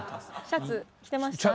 シャツ着てました？